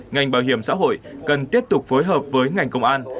ngành bảo hiểm xã hội cần tiếp tục phối hợp với ngành công an